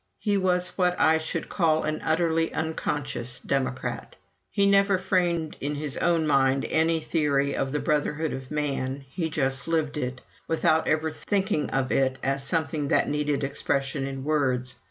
He was what I should call an utterly unconscious democrat. He never framed in his own mind any theory of "the brotherhood of man" he just lived it, without ever thinking of it as something that needed expression in words.